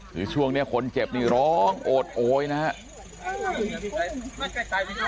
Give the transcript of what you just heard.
คือช่วงนี้คนเจ็บร้องโอดโอ๊ยนะฮะ